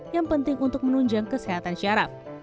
yang penting untuk menunjang kesehatan syaraf